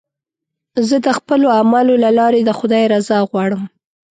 زه د خپلو اعمالو له لارې د خدای رضا غواړم.